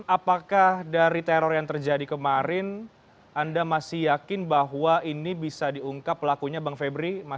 apakah dari teror yang terjadi kemarin anda masih yakin bahwa ini bisa diungkap pelakunya bang febri